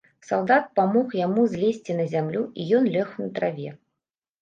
Салдат памог яму злезці на зямлю, і ён лёг на траве.